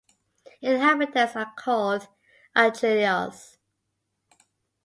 The inhabitants are called "Auchellois".